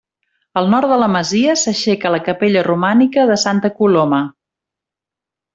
Al nord de la masia s'aixeca la capella romànica de Santa Coloma.